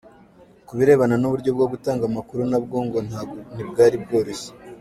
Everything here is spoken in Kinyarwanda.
Ku birebana n’uburyo bwo gutanga amakuru nabwo ngo ntibwari bworoshye.